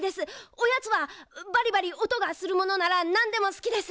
おやつはバリバリおとがするものならなんでもすきです。